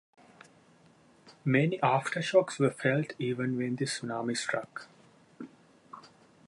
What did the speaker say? Many aftershocks were felt even when the tsunami struck.